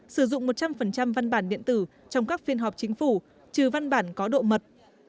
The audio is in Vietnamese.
sử dụng một trăm linh văn bản điện tử trong các phiên họp chính phủ trừ văn bản có độ mật